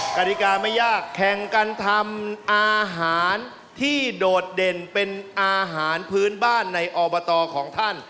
กฎิกาไม่ยากแข่งกันทำอาหารที่โดดเด่นเป็นอาหารพื้นบ้านในอบตของท่าน